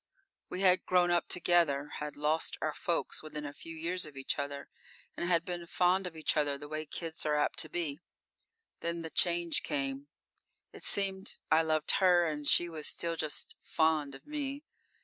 We had grown up together, had lost our folks within a few years of each other and had been fond of each other the way kids are apt to be. Then the change came: It seemed I loved her, and she was still just "fond" of me.